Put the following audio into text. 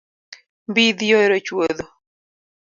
Mbidhi oero chuodho .